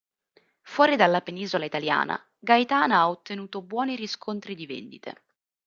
Fuori dalla penisola italiana, "Gaetana" ha ottenuto buoni riscontri di vendite.